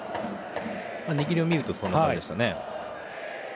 握りを見るとそんな感じでしたね。